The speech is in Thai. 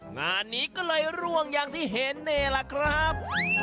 งานนี้ก็เลยร่วงอย่างที่เห็นนี่แหละครับ